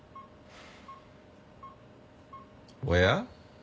おや？